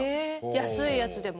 安いやつでも。